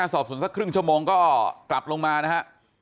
สอบส่วนสักครึ่งชั่วโมงก็กลับลงมานะฮะ